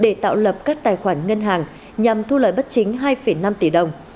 để tạo lập các tài khoản ngân hàng nhằm thu lợi bất chính hai năm tỷ đồng